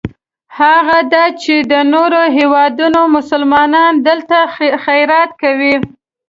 هغه دا چې د نورو هېوادونو مسلمانان دلته خیرات کوي.